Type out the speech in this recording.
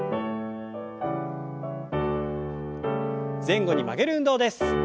前後に曲げる運動です。